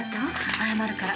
謝るから。